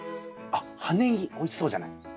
あっ葉ネギおいしそうじゃない。